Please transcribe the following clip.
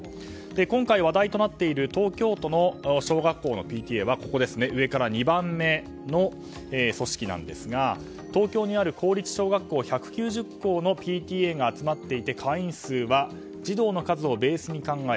今回、話題となっている東京都の小学校のＰＴＡは上から２番目の組織なんですが東京にある公立小学校１９０校のＰＴＡが集まっていて会員数は児童の数をベースに考え